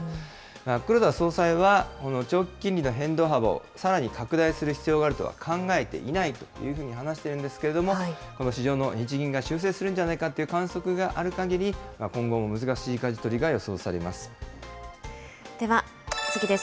黒田総裁は、この長期金利の変動幅を、さらに拡大する必要があるとは考えていないというふうに話しているんですけれども、この市場の日銀が修正するんじゃないかという観測があるかぎり、今後も難しいかじ取りが予想されます。